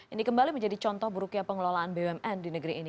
ini kembali menjadi contoh buruknya pengelolaan bumn di negeri ini